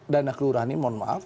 dana kelurahan ini mohon maaf